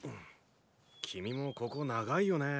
君もここ長いよねぇ。